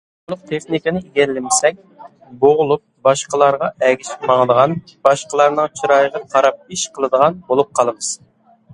يادرولۇق تېخنىكىنى ئىگىلىمىسەك، بوغۇلۇپ، باشقىلارغا ئەگىشىپ ماڭىدىغان، باشقىلارنىڭ چىرايىغا قاراپ ئىش قىلىدىغان بولۇپ قالىمىز.